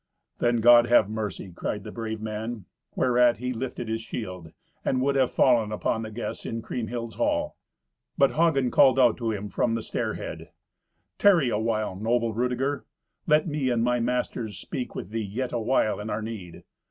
"Then God have mercy!" cried the brave man; whereat he lifted his shield, and would have fallen upon the guests in Kriemhild's hall. But Hagen called out to him from the stairhead, "Tarry awhile, noble Rudeger. Let me and my masters speak with thee yet awhile in our need.